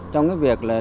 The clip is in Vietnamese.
trong việc này